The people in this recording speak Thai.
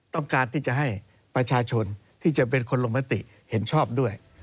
ต้องการที่จะให้ประชาชนที่จะเป็นคนลงมติเห็นชอบด้วย